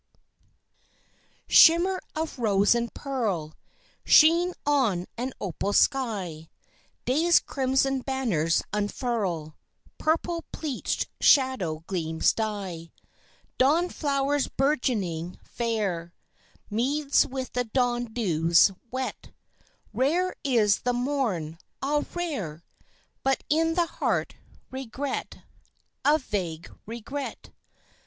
Regret Shimmer of rose and pearl, Sheen on an opal sky; Day's crimson banners unfurl, Purple pleached shadow gleams die; Dawn flowers bourgeoning fair, Meads with the dawn dews wet; Rare is the morn ah, rare! But in the heart, regret A vague regret.